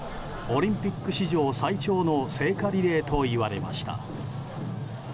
オリンピック史上最長の聖火リレーと言われました。